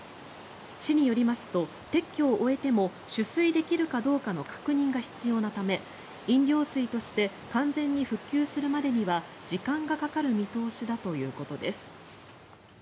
市によりますと、撤去を終えても取水できるかどうかの確認が必要なため飲料水として完全に復旧するまでには時間がかかる見通しだということです。